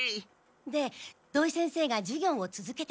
で土井先生が授業をつづけていたら。